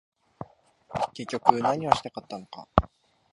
結局何をしたかったのか